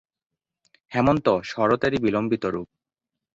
হেমন্ত শরতেরই বিলম্বিত রূপ।